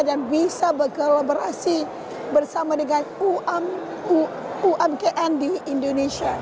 dan bisa berkolaborasi bersama dengan umkm di indonesia